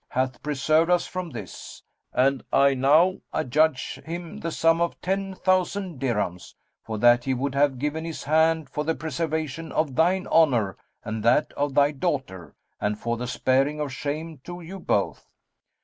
hath preserved us from this, and I now adjudge him the sum of ten thousand dirhams, for that he would have given his hand for the preservation of thine honour and that of thy daughter and for the sparing of shame to you both.